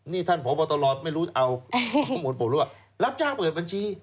นี่ท่านพบตรไม่รู้เอาข้อมูลผมหรือว่ารับจ้างเปิดบัญชี